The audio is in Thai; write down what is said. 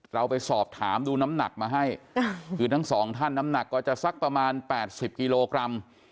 เราไปสอบถามดูน้ำหนักมาให้คือทั้งสองท่านน้ำหนักก็จะสักประมาณ๘๐กิโลกรัม